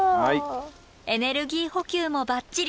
エネルギー補給もバッチリ！